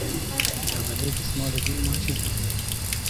دۂ بئلې دیسمالی دیل ما چیز بوگیم